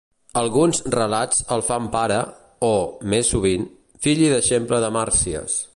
Alguns relats el fan pare, o, més sovint, fill i deixeble de Màrsies.